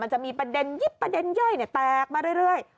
จะมีประเด็นยิบประเด็นย่อยแตกมาเรื่อย